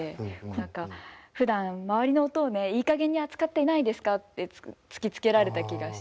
ふだん周りの音をねいいかげんに扱っていないですかって突きつけられた気がしていて。